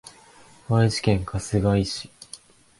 愛知県春日井市